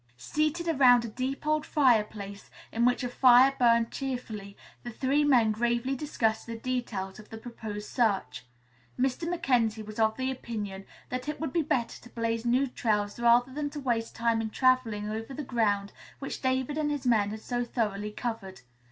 Seated around a deep, open fireplace, in which a fire burned cheerfully, the three men gravely discussed the details of the proposed search. Mr. Mackenzie was of the opinion that it would be better to blaze new trails rather than to waste time in traveling over the ground which David and his men had so thoroughly covered.